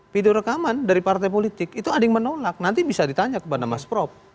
video rekaman dari partai politik itu ada yang menolak nanti bisa ditanya kepada mas prop